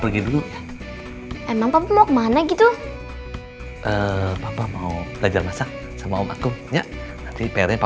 terus bagaimana ya loh